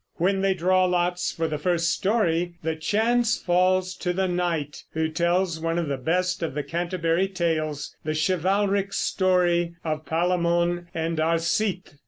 When they draw lots for the first story the chance falls to the Knight, who tells one of the best of the Canterbury Tales, the chivalric story of "Palamon and Arcite."